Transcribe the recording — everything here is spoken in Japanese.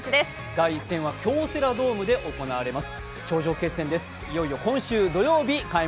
第１戦は京セラドームで行われます。